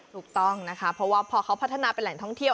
ถูกต้องนะคะเพราะว่าพอเขาพัฒนาเป็นแหล่งท่องเที่ยว